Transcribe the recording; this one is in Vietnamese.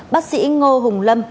bác sĩ ngô hùng lâm